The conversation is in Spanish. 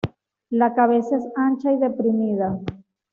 La cabeza es ancha y deprimida.